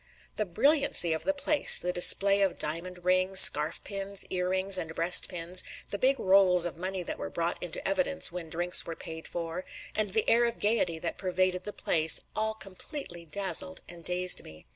The brilliancy of the place, the display of diamond rings, scarf pins, ear rings, and breast pins, the big rolls of money that were brought into evidence when drinks were paid for, and the air of gaiety that pervaded the place, all completely dazzled and dazed me.